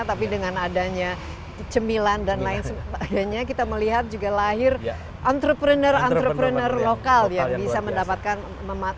tapi dengan adanya cemilan dan lain sebagainya kita melihat juga lahir entrepreneur entrepreneur lokal yang bisa mendapatkan